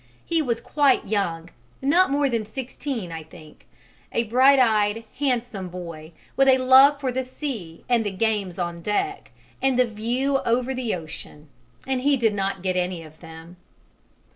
He was quite young, not more than sixteen, I think, a bright eyed, handsome boy, with a love for the sea and the games on deck and the view over the ocean and he did not get any of them.